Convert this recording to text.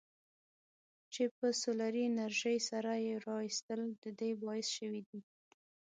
چې په سولري انرژۍ سره یې رایستل د دې باعث شویدي.